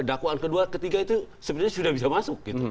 dakwaan kedua ketiga itu sebenarnya sudah bisa masuk